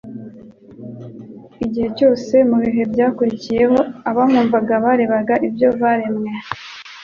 igihe cyose, mu bihe byakurikiyeho, abamwumvaga barebaga ibyo byaremwe,